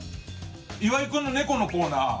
岩井君のネコのコーナー